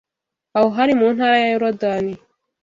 Aho hari mu Ntara ya Yorodani